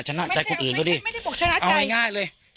ชนะใจคนอื่นก็ได้ไม่ใช่ไม่ใช่ไม่ได้บอกชนะใจเอาง่ายง่ายเลย